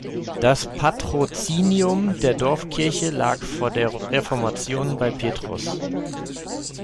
Das Patrozinium der Dorfkirche lag vor der Reformation bei Petrus.